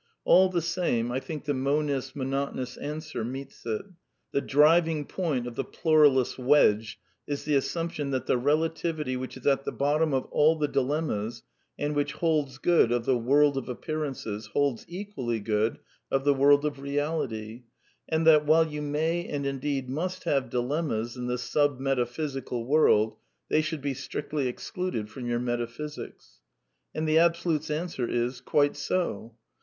All the same ""^ I think the monist's monotonous answer meets it. The driving point of the pluralist's wedge is the assumption that the relativity which is at the bottom of all the di lemmas, and which holds good of the world of appearances, holds equally good of the world of Eeality; and that, while you may and indeed must have dilemmas in the sub metaphysical world, they should be strictly excluded from your metaphysics. And the Absolutist's answer is: Quite so.